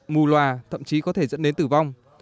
mù loà thậm chí có thể dẫn đến tử vong